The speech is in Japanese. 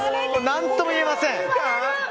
何とも言えません。